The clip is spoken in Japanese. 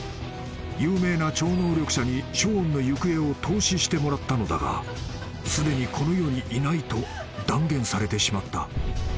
［有名な超能力者にショーンの行方を透視してもらったのだがすでにこの世にいないと断言されてしまった］